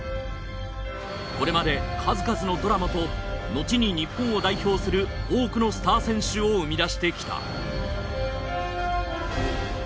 これまで数々のドラマとのちに日本を代表する多くのスター選手を生み出してきた。